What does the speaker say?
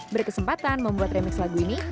berkesempatan membuat remix lagu ini